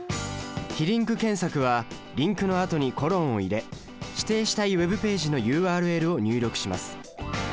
被リンク検索はリンクのあとにコロンを入れ指定したいＷｅｂページのＵＲＬを入力します。